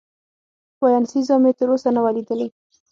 باینسیزا مې تراوسه نه وه لیدلې.